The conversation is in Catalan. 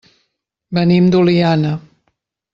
Venim d'Oliana.